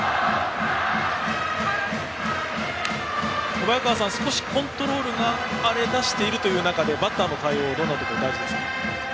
小早川さん、少しコントロールが荒れだしているという中でバッターの対応はどんなところが大事ですか？